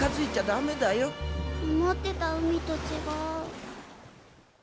思ってた海とちがう。